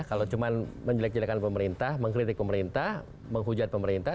kalau cuma menjelek jelekkan pemerintah mengkritik pemerintah menghujat pemerintah